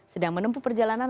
sedang menempuh perjalanan